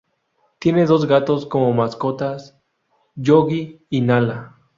Tiene dos gatos como mascotas, Yogi y Nala.